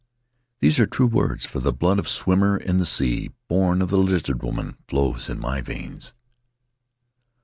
These are true words, for the blood of Swimmer in the Sea, born of the Lizard Woman, flows in my veins."